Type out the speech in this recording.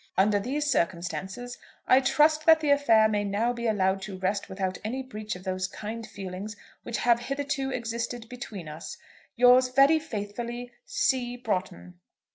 Under these circumstances, I trust that the affair may now be allowed to rest without any breach of those kind feelings which have hitherto existed between us. Yours very faithfully, "C. BROUGHTON."